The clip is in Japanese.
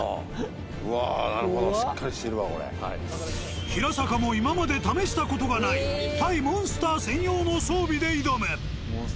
わあしっかりしてるわ。平坂も今まで試した事がない対モンスター専用の装備で挑む。